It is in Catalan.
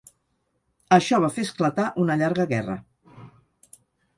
Això va fer esclatar una llarga guerra.